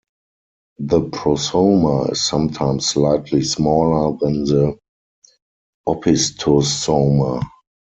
The prosoma is sometimes slightly smaller than the opisthosoma.